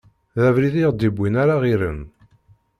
D abrid i ɣ-d-iwwin ara ɣ-irren.